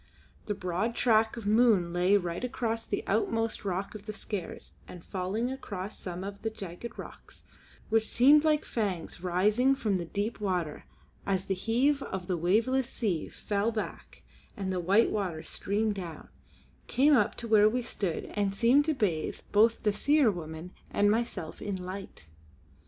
The broad track of the moon lay right across the outmost rock of the Skares and falling across some of the jagged rocks, which seemed like fangs rising from the deep water as the heave of the waveless sea fell back and the white water streamed down, came up to where we stood and seemed to bathe both the Seer woman and myself in light.